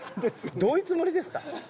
どういうつもりですか？